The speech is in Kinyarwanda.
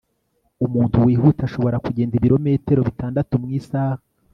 Umuntu wihuta ashobora kugenda ibirometero bitandatu mu isaha